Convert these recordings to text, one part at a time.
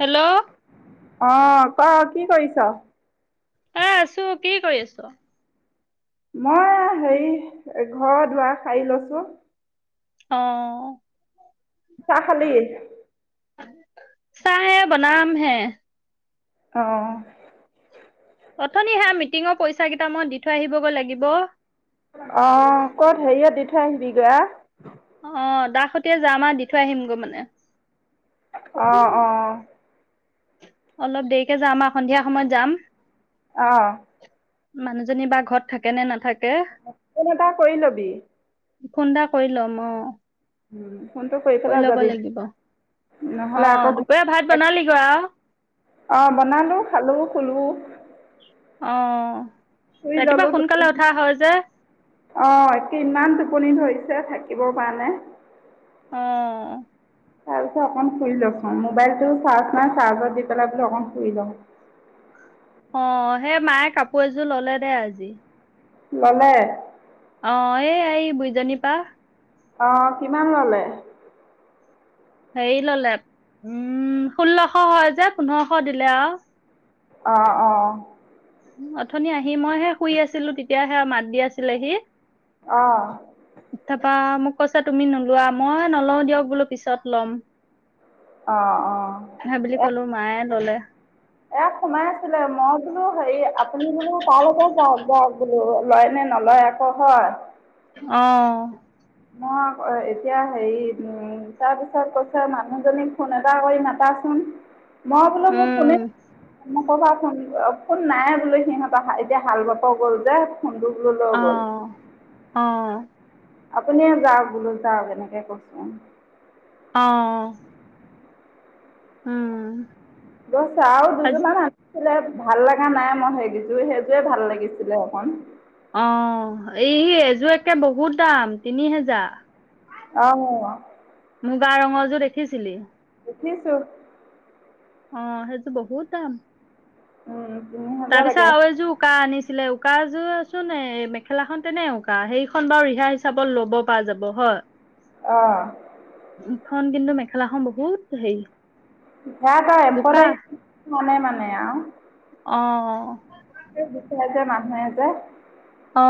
Hello অ। ক কি কৰিছ। এ আছো কি কৰি আছ। মই হেৰি ঘৰ দুৱাৰ শাৰী লৈছো। অ। চ খালল চাহে বনাম হে আহ অথনি সেয়া মিটিঙৰ পইচা কেইটাামই দি থৈ আহিব লাগিব অ কত হেৰিয়ত দি থৈ আহিবি গ অ দাস সতি যাম আৰু দি থৈ আহিমগৈ মানে আহ অ অলপ দেৰিকে যাম আৰু সন্ধিয়া সময়ত যাম আহ মানুহজনী বা ঘৰত থাকে নে নাথাকে োন এটা কৰি লবি ফুোন এটা কৰি ল'ম অ উম ফোনটো কৰি কৰিছিলে ল'ব যাবি লাগিব অ নহ'লে আকৌ দুপৰীয়া ভাত ঘ বনালিগৈ আৰু অঁ বনালোঁ খালোঁ খুলো অ শুই ৰাতিপুৱা ললো টোপনি সোনকালে উঠা হয় যে অ কিমান টোপনি ধৰিছে থাকিব পৰা নে উম তাৰপিছত অকণ ফুৰি লচোন মোবাইলটো চাৰ্জ নাই চাৰ্জত দি পেলাই পো অকণ ফুৰি লওঁ অ সেই মায়ে কাপোৰ এযোৰ ললে দেেই আজি ভালে অ এই এই বুইজনী পা আহ কিমান ললে হেৰি ললে উম ষোল্লশ হয় যে পোন্ধৰশ দিলে আৰু আহ অ অথনি আহি মইহে শুই আছিলো তেতিয়াহে মাত দি আছিলে সি অঁ ইতিপা মোক কৈছো তুমি নোলোৱা মই নলওঁও দিয়ক বোলো পিছত ল'ম অঁ অঁ ভ বুলি কলো মায়ে ললে এ সোমাই আছিলে মই বোলো হেৰি আপুনি বোলো তালকে যাওক যাওক বোলো লয় নে নলয় আকৌ হয় অ মই এতিয়া হেৰি উ তাৰপিছত কৈছ মানুহজনীক ফোন এটা কৰি নটাাচোন মই আপোনাক মোক কোনে উম ম ক'বা ফোন ফোন নাই বোলে সিহঁতৰ এতিয়া হাল বাপ গ'ল যে ফোনটো বোলো লৈ গ'ল আহ অ আপুনিে যাওক বোলো যাওক এনেকে কচোন অ উম বছ আও আজি দুজন মান আন আছিলে ভাল লগা নাই মই সেইযোৰ সেইতোৱে ভাল লাগিছিলে এখন অ এই এযোৰ তাকে বহুত দাম তিনি হেজাৰ। অহ, মুগা ৰঙৰযোৰ দেখিছিলি। নিছো, অ সেইটো বহুত দাম। উম, তাৰপিছত আৰু এযোৰ উকাহ আনিছিলে। উকাযোৰ ছোন মেখেলাখন তেনে উকা সেইখন বাৰু ৰিহা হিচাপত লব পৰা যাব হয়। অহ, সেই খন কিন্তু মেখেলাখন বহুত হেৰি সেইটোৱে আৰু উকা সদাই নানে মানে আৰু। অ, ত গুখাই আছে মানুহ এ যে, অ,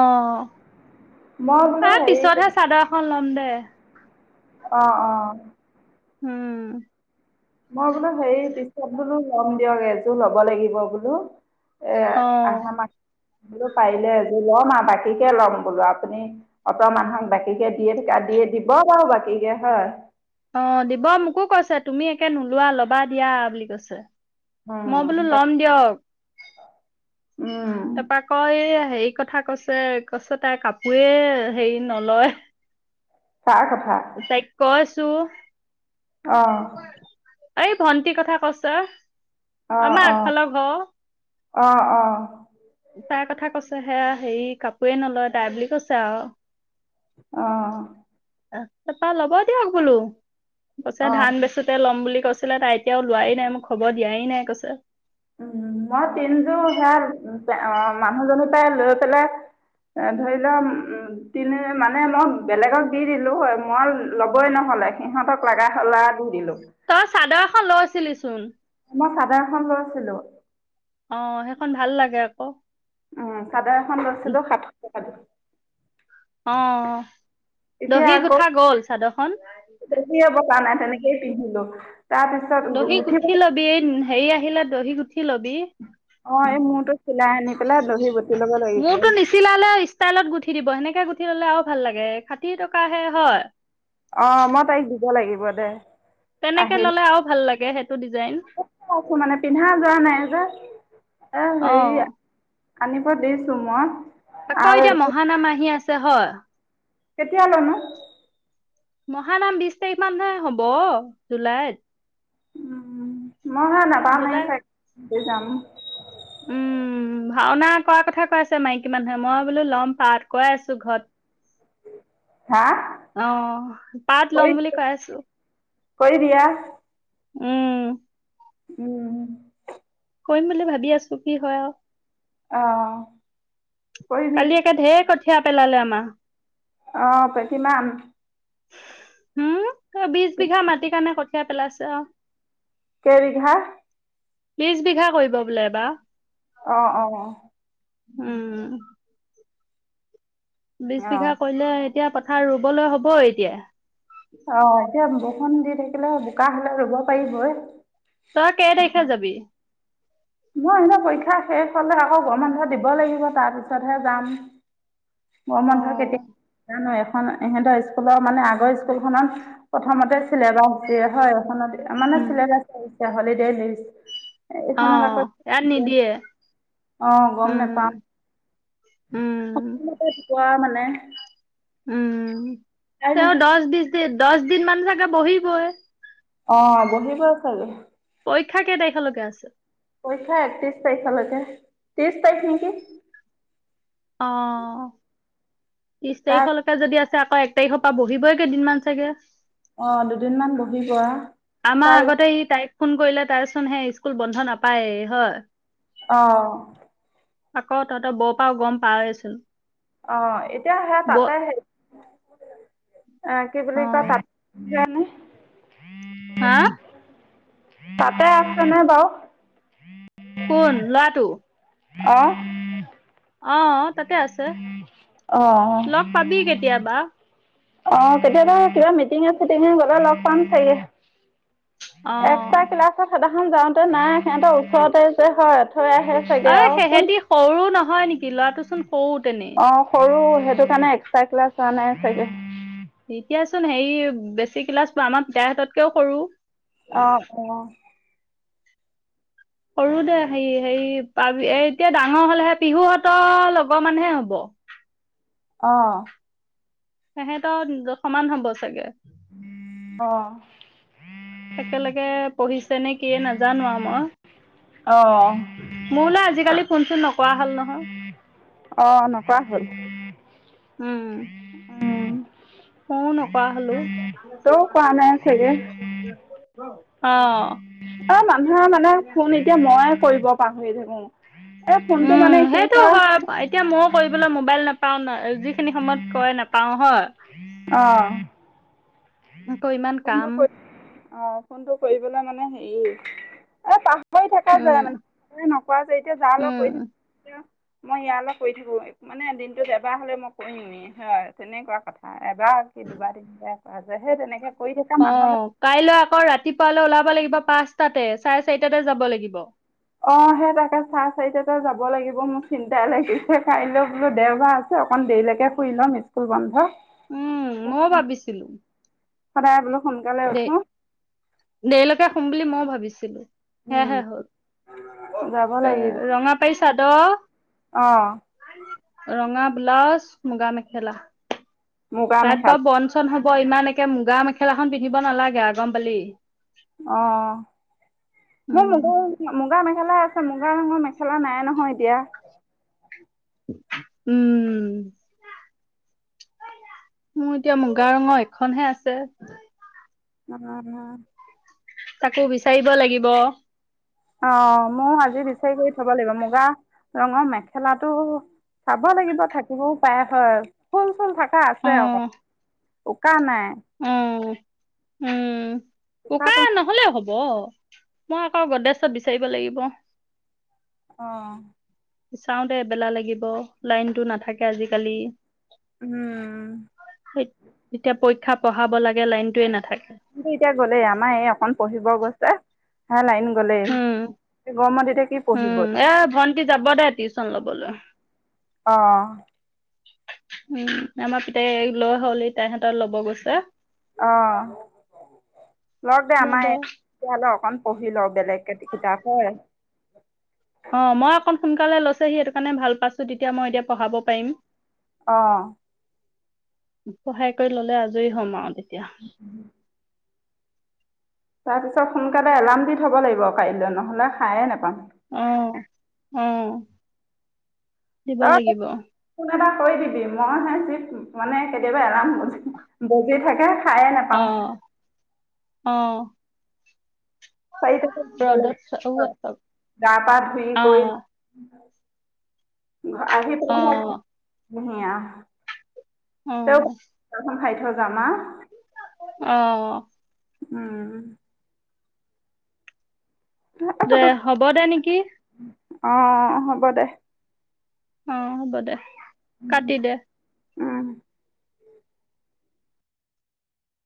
মই বোলো ত হেৰি পিছতহে চাদৰ এখন ল'ম দে। [unintelligible] অঁ-অঁ, উম, মই বোলো হেৰি পিছত বলো। কম দিয়ক এযোৰ ল'ব লাগিব বোলো। এ অ আহামাহত, বোলো পাৰিলে এযোৰ ল'ম আৰু বাকীকে ল'ম বোলো আপুনি অত মানুহক বাকীকে দিয়ে থাকে দিয়ে দিব বাৰু বাকীকে হয়। অ দিব মোকো কৈছে তুমি একে নোলোৱা লবা দিয়া বুলি কৈছে। মই বোলো উম। বাক- লম দিয়ক উম, তাৰপৰা আকৌ এই, হেৰি কথা কৈছে-কৈছে তাই কাপোৰে হেৰি নলয়। কাৰ কথা? তাইক কই, চো অ', [unintelligible] এই ভণ্টি কথা কৈছে। আমৰ আগফালৰ ঘৰ, অহ-অহ, তাৰ কথা কৈছে হেয়া হেৰি কাপোৰে নলয় তাই বুলি কৈছে আৰু। অ, তাৰপৰা ল'ব দিয়ক বোলো। কৈছে অ', ধান বেচোতে ল'ম বুলি কৈছে। তাই এতিয়াও লোৱাই নাই মোক খবৰ দিয়াই নাই কৈছে। উ' মই তিনযোৰ সেয়া মানুহ জনিৰ পৰা লৈ পেলাই ধৰি লোৱা তিনি মানে মই বেলেগক দি দিলো হয় মই লবই নহলে সিহঁতক লাগা লা দি দিলো। তই চাদৰ এখন লৈছিলিচোন। মই চাদৰ এখন লৈছিলো। অ সেইখন ভাল লাগে আকৌ। অ। চাদৰ এখন লৈছিলো সাতশ টকা দি। অ এতিয়া দহি আকৌ গুঠা গ'ল চাদৰখন দহি এ বতা নাই তেনেকেই পিন্ধিলো। তাৰপিছত দহি উঠিব গোঠি লবি হেৰি আহিলে। দহি গ উঠি লবি। অ এই মূৰটো চিলাই আনি পেলাই দহি বতি লব লাগিিব মোৰতো নিচিলালে ষ্টাইলত গুঠি দিব সেনেকে ললে আৰু ভাল লাগে ষাঠী টকাহে হয় অ মই তাইক দিব লাগিব দে। তেনেকে আহিল ললে আৰু ভাল লাগে। কোনো শব্দ নাই মানে পিন্ধা যোৱা নাই যে। আহ অ হেৰি। আনিব দিছো মই। আকৌ আৰু এতিয়া মহানাম আহি আছে। ছ হয়। কেতিয়ালৈ নো। মহানাম বিশ তাৰিখ মানহে হ'ব জুলাইত। উম। মই হে নাপামহে জুলাই চাগে। এ যাম। উম ভাওনা কৰ কথা কৈ আছে মাইকী মানুহে মই বোলো লম পাত কৈ আছো ঘৰত। হা অ পাট লম বুলি কৈ আছো। কৰিদিয়া। উম। উম। কৰিম বুলি ভাবি আছো কি হয় আৰু। অ কৰিবি কালি একে ধেৰ ক। ঠয়া পেলালে আমাৰ। অ কিমান হম। বিশ বিঘা মাটি কাৰণে কঠিয়াই পেলাইছ যা কেই বিঘা? ত্ৰিছ বিঘা কৰিব বোলে এইবাৰ। অ অ। উ উম। বিছ অ বিঘা কৰিলে এতিয়া পথাৰ ৰুবলৈ হ'বই এতিয়া। খন দি থাকিলে বোকা হ'লে ৰুব পাৰিবই। তই কে তাৰিখ খে যাবি? মই এনে পৰীক্ষা শেষ হ'লে আকৌ গৰম বন্ধ দিব লাগিব তাৰ পিছতহে যাম। গৰম অ বন্ধ কেতিয়া যানই এখন ইহঁতৰ স্কুলৰ মানে আগৰ স্কুলখনত প্ৰথমতে চিলেবাছ দিয়ে হয় এখনত আ মানে উম চিলেবাছ [unintelligible] তই হলিদে লিষ্ট অ এইখনত আকৌ ইয়াত নিদিয়ে অ গম উম নেপাওঁ উম। ৰাতিপুৱা মানে উম কাইল তেওঁ দছ বিছ দিন দছ দিন মান চাগে বহিবই। অ বহিবই চাগে পৰীক্ষা কেই তাৰিখলৈকে আছে পৰীক্ষা একত্ৰিশ তাৰিখলৈকে ত্ৰিশ তাৰিখ নেকি অ ত্ৰিছ তাৰ তাৰিখলৈকে যদি আছ ছে আকৌ এক তাৰিখৰ পা বহিবই কেইদিনমান চাগে অহ দুদিনমান বহিব আমাৰ তাৰ আগতে ই তাইক ফোন কৰিলে তাৰচোন হে স্কুল বন্ধ নাপায় হয় অ আকৌ তহঁতে বপাও গম পাৱে চোন অহ এতিয়া সেয়া তাতে সেই অ কি বুলি কয় তা অ', [unintelligible] নে হা [unintelligible] তাতে আছে নে বাও কোন লৱা টো অহ অ তাতে আছে অ লগ পাবি কেতিয়াবা অ কেতিয়াবা কিবা মিটিঙে চিটিঙে গলো লগ পাম চাগে এক্সট্ৰা অ'। ক্লাছত সাদা খন যাওঁতে নাই সিহঁতৰ ওচৰতে যে হয় থৈ আহে চাগে অ আৰু কোন সেহেঁতি সৰু নহয় নেকি ল'ৰাটোচোন সৰু তেনেই। অ সৰু সেইটো কাৰণে এক্সট্ৰা ক্লাছ হোৱা নাই চাগে। কোন হেৰি বেছি ক্লাছ আমাৰ পিতাৰ কেও সৰু। অ, অ, সৰু দে হেৰি হেৰি পাবি এ এতিয়া ডাঙৰ হলেহে পিহুহতৰ লগৰ মানহে হব। আহ সহেতৰ সমান হব চাগে। অ একেলগে পঢ়িছে নে কি নাজানো মই অ মোলো আজিকালি ফোনচোন নকৰা হল নহয় অ' নকৰা হল উম উম মইয়ও নকৰা হলো তইও কৰা নাই চাগে [unintelligible] অ অ', মানুহৰ মানে ফোন এতিয়া মই কৰিব পাহৰি থাকো। এই ফোনটো উম মানে কি সেইটো হয় এতিয়া ময়ো কৰিবলৈ মোবাইল নাপাও ন যিখিনি সময়ত কয় নাপায়। পাওঁ হয় অ আকৌ ইমান কোনটো কাম কৰিব অ ফোনটো কৰিবলে মানে হেৰি এ পাহ কৈ থকা যায় উম মানে নোৱা যে এতিয়া যা অলপ উম কৰি থাক মই ইয়াৰ অলপ কৈ থাকো মানে দিনটোত এবাৰ হলে মই কৰিমি হয় তেনেকুৱা কথা। এবাৰ কি দুবাৰ দিনতে আহে তেনেকে। অ, কাইলৈ আকৌ ৰাতিপুৱালৈ ওলাব লাগিব পাঁচটাতে চাৰে চাৰিটাতে যাব লাগিব। অ সেই তাকে চাহ চাৰিটাতে যাব লাগিব মোৰ চিন্তাই লাগিছে কাইলৈ বোলো দেওবাৰ আছে অকন দেৰিকে শুই লম স্কুল বন্ধ। উম মইও ভাবিছিলো। [inaudible] দে উঠো দেৰিলৈকে শুম বুলি মই ভাবিছো। ছিলো উম সেয়হে হল যাব এ লাগিব ৰঙা পাৰি চাদৰ অ ৰঙা ব্লাউজ মুগা মেখেলা। মুগা হেয়াত মেখেলা বা বন চন হ ইমান একে মুগা মেখেলাখন পিন্ধিব নালাগে আ গম পালি। অ মোৰ মুগ উম মুগা মেখেলা আছে মুগা ৰগৰ মেখেলা নাই নহয় এতিয়া। উম মোৰ এতিয়া মুগা ৰঙৰ এখনহে আছে। উম। তাকো বিচাৰিব লাগিব। অ মই আজি বিচাৰি কৰি থব লাগিব মুগা ৰঙৰ মেখেলাটো চাব লাগিব থাকিবও পাৰে হয় ফুল চুল থাকে। এ আছে অকণমান উকা নাই। উম উম। ককা উকাটো নহলে হব। মই আকৌ গদেশ্বত বিচাৰিব লাগিব আহ বিচাওঁতে এবেলা লাগিব, লাইনতটো নাথাকে আজিকালি। উম। তেতিয়া পৰীক্ষা পঢ়াব লাগে লাইন কিটো এতিয়া গ'লেই আমাৰ এই অকখন পঢ়িব গৈছে। হাল নাই উম পঢ়িবই উম এ ভণ্টি যাব দে তিউছ চান লবলৈ। অ। উম আমাৰ পিতাই লৈ হ'লি তাইহঁতৰ লব গৈছে। অ লক দে যাব আমাৰ এতিয় অকন পঢ়ি লওক বেলেগ কাতি কিতাপ অ মই অকণ সোনকালে লৈছেহি সেইটো কাৰণে ভাল পাইছো তেতিয়া মই এতিয়া পঢ়াব পাৰিম। আহ। সহায় কৰি ললে আজৰি হ'ম আৰু দে। এতিয়া। তাৰপিছত সোনকালে এলাৰ্ম দি থ'ব লাগিব কাইলৈ নহলে সায়ে নেপাম। আহ আহ। দিব তই লাগিব। ফোন এটা কৰি দিবি মইহে যি মানে কেতিয়াবা এলাম বজি থাকে। সাৰে অ নাপাওঁ অ। চাৰি বজাত ধুব ৰ'দত অ লাগব গা পা ধুই কৰি আহি অ পেলাই ঘ ধুনীয়া অ যামা অ উম দে পতক হ'ব দে নেকি অ হ'ব দে অ হ'ব দে কাটি দে উম